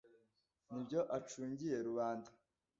n’ibyo acungiye rubanda.